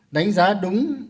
đánh giá đúng